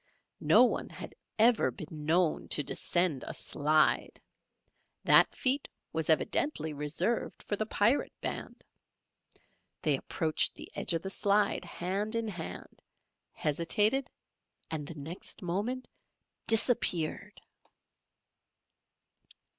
No one had ever been known to descend a slide. That feat was evidently reserved for the Pirate band. They approached the edge of the slide hand in hand, hesitated and the next moment disappeared!